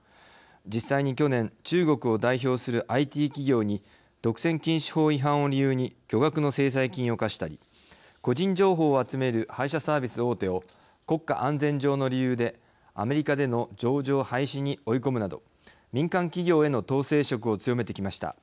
実際に去年、中国を代表するＩＴ企業に独占禁止法違反を理由に巨額の制裁金を科したり個人情報を集める配車サービス大手を国家安全上の理由でアメリカでの上場廃止に追い込むなど民間企業への統制色を強めてきました。